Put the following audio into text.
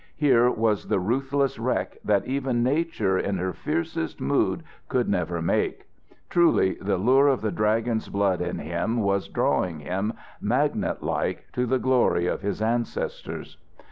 Here was the ruthless wreck that even nature in her fiercest mood could never make. Truly the lure of the Dragon's blood in him was drawing him, magnet like, to the glory of his ancestors.